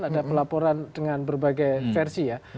ada pelaporan dengan berbagai versi ya